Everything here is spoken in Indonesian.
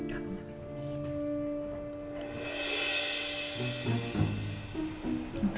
aku udah kembali